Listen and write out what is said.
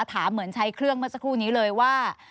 เหมือนใช้เครื่องเมื่อสักครู่นี้เลยว่า